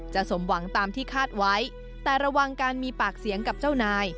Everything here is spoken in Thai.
สมหวังตามที่คาดไว้แต่ระวังการมีปากเสียงกับเจ้านาย